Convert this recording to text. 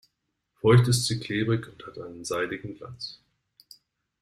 Feucht ist sie klebrig und hat einen seidigen Glanz.